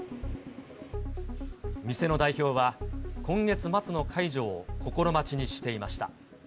店の代表は、今月末の解除を心待ちにしていました。